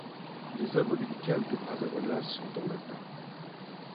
Les œuvres médicales de Brasavola sont en latin.